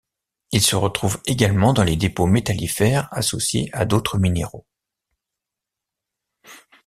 Il se retrouve également dans les dépôts métallifères associé à d'autres minéraux.